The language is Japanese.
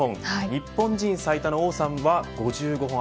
日本人最多の王さんは５５本。